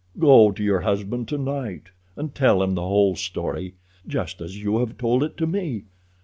Go to your husband tonight, and tell him the whole story, just as you have told it to me.